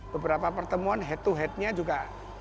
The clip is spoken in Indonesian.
beberapa pertemuan head to headnya juga